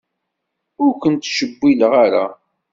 Ur kent-ttcewwileɣ ara.